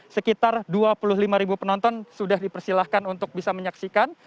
sekitar dua puluh lima ribu penonton sudah dipersilahkan untuk bisa menyaksikan